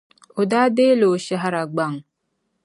O daa deei la o shɛhira gbaŋ .